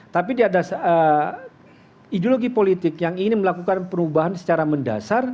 tapi dia ada ideologi politik yang ingin melakukan perubahan secara mendasar